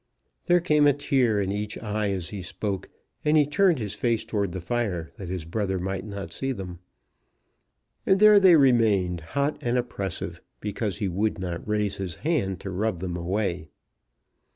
There came a tear in each eye as he spoke, and he turned his face towards the fire that his brother might not see them. And there they remained hot and oppressive, because he would not raise his hand to rub them away.